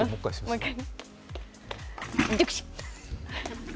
もう１回。